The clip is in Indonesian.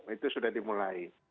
itu sudah dimulai